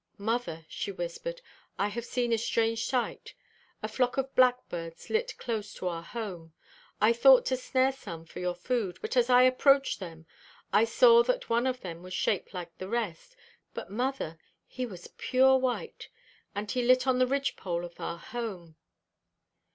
"Mother," she whispered, "I have seen a strange sight: a flock of blackbirds lit close to our home. I thought to snare some for your food; but as I approached them, I saw that one of them was shaped like the rest,—but, mother, he was pure white; and he lit on the ridgepole of our home."